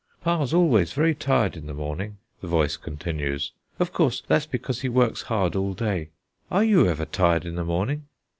"Pa's always very tired in the morning," the voice continues; "of course, that's because he works hard all day. Are you ever tired in the morning?"